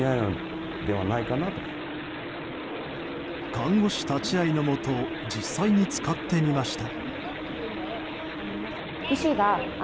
看護師立ち会いのもと実際に使ってみました。